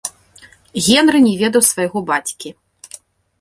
Генры не ведаў свайго бацькі.